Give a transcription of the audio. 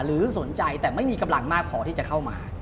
หรือสนใจแต่ไม่มีกำลังมากพอที่จะเข้ามา